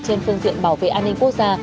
trên phương tiện bảo vệ an ninh quốc gia